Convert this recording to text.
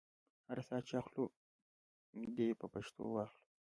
هر ساه چې اخلو دې په پښتو اخلو.